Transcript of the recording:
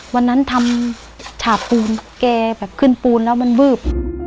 วันนั้นทำฉาบปูนแกแบบขึ้นปูนแล้วมันวืบ